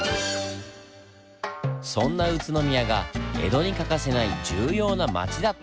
そんな宇都宮が江戸に欠かせない重要な町だった？